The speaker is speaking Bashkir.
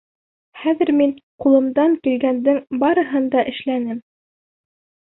Хәҙер мин ҡулымдан килгәндең барыһын да эшләнем.